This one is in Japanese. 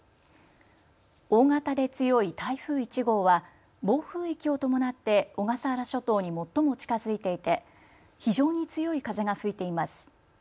大型で強い台風１号は暴風域を伴って小笠原諸島に最も近づいていて非常に強い風が吹いています。